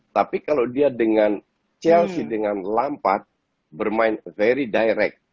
tapi kalau dia dengan chelsea dengan lampat bermain very direct